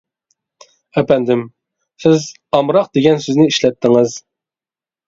ئەپەندىم، سىز «ئامراق» دېگەن سۆزنى ئىشلەتتىڭىز.